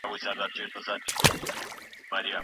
د ماشوم وژنه او شلگرې استعمال منل شوی و؟